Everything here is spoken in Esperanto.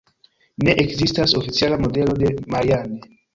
Ne ekzistas oficiala modelo de Marianne.